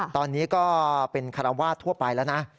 ตอนนี้ก็เป็นคารวาสทั่วไปแล้วนะ